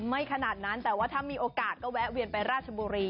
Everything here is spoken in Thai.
ขนาดนั้นแต่ว่าถ้ามีโอกาสก็แวะเวียนไปราชบุรี